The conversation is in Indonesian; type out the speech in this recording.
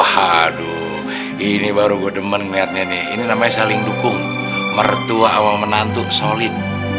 haduh ini baru gue demen niatnya nih ini namanya saling dukung mertua awal menantu solid